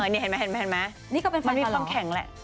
นี่เห็นไหมเห็นไหมเห็นไหมนี่เขาเป็นไฟล์กันเหรอมันมีความแข็งแหละ